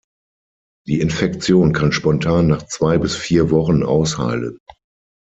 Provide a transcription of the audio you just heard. Die Infektion kann spontan nach zwei bis vier Wochen ausheilen.